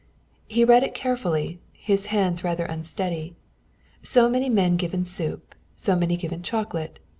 He read it carefully, his hands rather unsteady. So many men given soup, so many given chocolate.